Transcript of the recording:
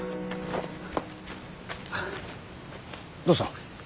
どうした。